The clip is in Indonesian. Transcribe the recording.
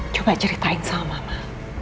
coba ceritain sama ma